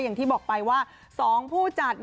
อย่างที่บอกไปว่า๒ผู้จัด